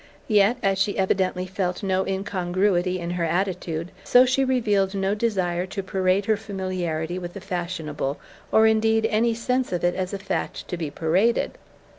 Yet, as she evidently felt no incongruity in her attitude, so she revealed no desire to parade her familiarity with the fashionable, or indeed any sense of it as a fact to be paraded.